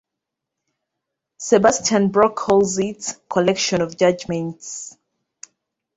Sebastian Brock calls it "Collection of Judgements".